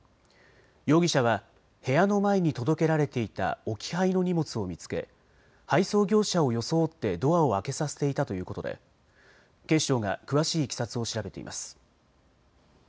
容疑者は部屋の前に届けられていた置き配の荷物を見つけ配送業者を装ってドアを開けさせていたということで警視庁が詳しいいきさつを調べています。